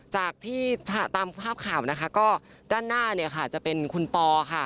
จากที่ตามภาพข่าวนะคะก็ด้านหน้าเนี่ยค่ะจะเป็นคุณปอค่ะ